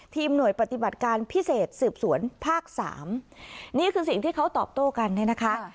หน่วยปฏิบัติการพิเศษสืบสวนภาคสามนี่คือสิ่งที่เขาตอบโต้กันเนี่ยนะคะ